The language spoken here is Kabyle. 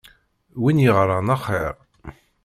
Win yeɣran axir.